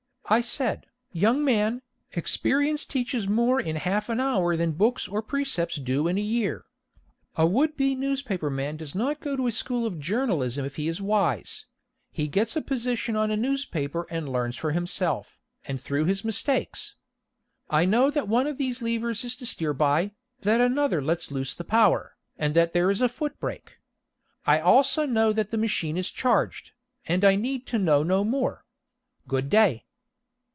I said, "Young man, experience teaches more in half an hour than books or precepts do in a year. A would be newspaper man does not go to a school of journalism if he is wise; he gets a position on a newspaper and learns for himself, and through his mistakes. I know that one of these levers is to steer by, that another lets loose the power, and that there is a foot brake. I also know that the machine is charged, and I need to know no more. Good day."